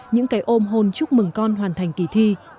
những cái ôm hôn chúc mừng con hoàn thành kỳ thi